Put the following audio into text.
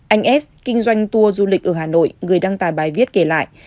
anh s kinh doanh tour du lịch ở hà nội người đăng tài bài viết kể lại